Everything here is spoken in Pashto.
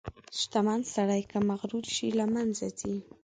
• شتمن سړی که مغرور شي، له منځه ځي.